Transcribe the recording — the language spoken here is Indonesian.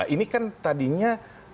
ini kan tadinya